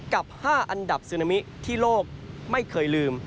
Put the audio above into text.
กับ๕อันดับซึนามิที่โลกไม่เคยลืม